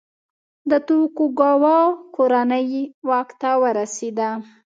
د توکوګاوا کورنۍ واک ته ورسېده.